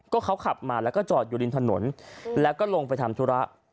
ก็เขาขับมาแล้วก็จอดอยู่ริมถนนแล้วก็ลงไปทำธุระ